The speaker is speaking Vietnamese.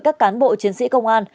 các cán bộ chiến sĩ công an